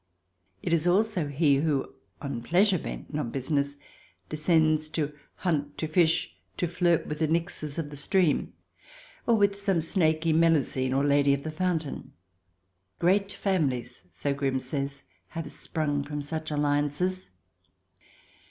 It is also he who, on pleasure bent, not business, descends to hunt, to fish, to flirt with the Nixes of the stream, or with some snaky Melusine or Lady of the Foun tain. Great families, so Grimm says, have sprung from such alliances.